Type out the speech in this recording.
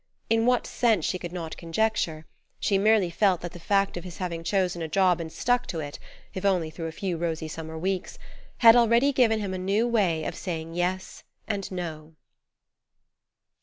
In what sense she could not conjecture: she merely felt that the fact of his having chosen a job and stuck to it, if only through a few rosy summer weeks, had already given him a new way of saying "Yes" and "No."